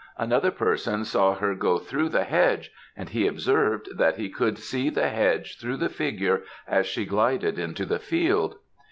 "Another person saw her go through the hedge, and he observed, that he could see the hedge through the figure as she glided into the field.